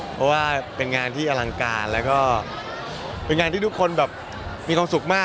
เพราะว่าเป็นงานที่อลังการแล้วก็เป็นงานที่ทุกคนแบบมีความสุขมาก